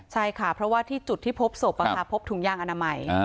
ใช่ค่ะเพราะว่าที่จุดที่พบศพพบถุงยางอนามัย